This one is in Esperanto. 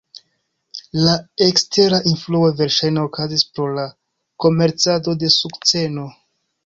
La ekstera influo verŝajne okazis pro la komercado de sukceno.